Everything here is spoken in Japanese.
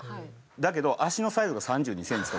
だけど足のサイズが３２センチとか。